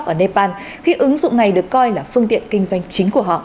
ở nepal khi ứng dụng này được coi là phương tiện kinh doanh chính của họ